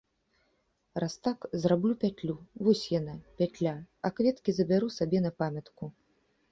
Раз так, зраблю пятлю, вось яна, пятля, а кветкі забяру сабе на памятку.